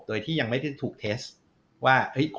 โดยที่ยังไม่ได้ถูกเทสว่า